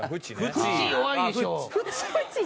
ふち弱いでしょ。